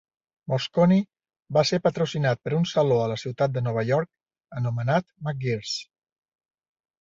Mosconi va ser patrocinat per un saló a la ciutat de Nova York anomenat McGirr's.